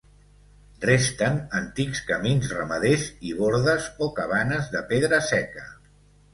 Resten antics camins ramaders i bordes o cabanes de pedra seca.